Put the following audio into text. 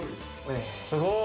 すごい。